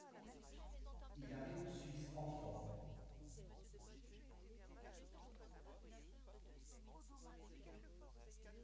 Il arrive en Suisse, enfant.